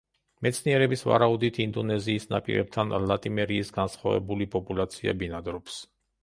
მეცნიერების ვარაუდით ინდონეზიის ნაპირებთან ლატიმერიის განსხვავებული პოპულაცია ბინადრობს.